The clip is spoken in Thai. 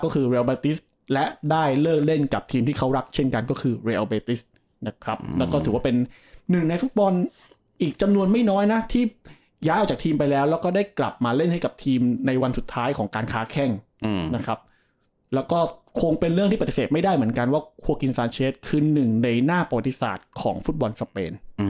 คือหนึ่งในหน้าประวัติศาสตร์ของฟุตบอลสเปน